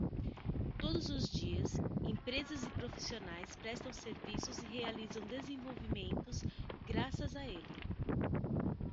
Todos os dias, empresas e profissionais prestam serviços e realizam desenvolvimentos graças a ele.